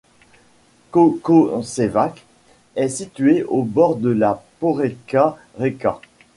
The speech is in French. Klokočevac est situé au bord de la Porečka reka.